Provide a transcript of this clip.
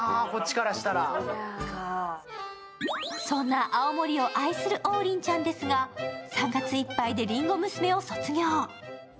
そんな青森を愛する王林ちゃんですが３月いっぱいでりんご娘を卒業。